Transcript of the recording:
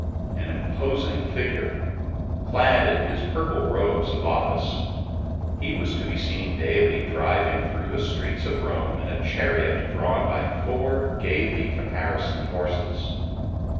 An imposing figure, clad in his purple robes of office, he was to be seen daily driving through the streets of Rome in a chariot drawn by four gaily caparisoned horses.